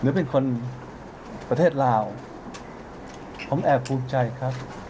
หรือเป็นคนประเทศลาวผมแอบภูมิใจครับ